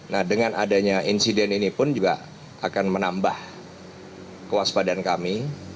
nah dengan adanya insiden ini pun juga akan menambah kewaspadaan kami